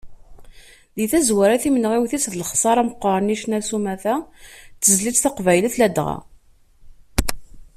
Di tazwara, timenɣiwt-is d lexsaṛa meqqren i ccna s umata d tezlit taqbaylit ladɣa.